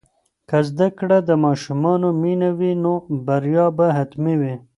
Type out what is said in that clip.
که زده کړه د ماشومانو مینه وي، نو بریا به حتمي وي.